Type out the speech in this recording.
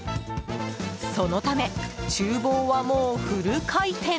そのため、厨房はもうフル回転！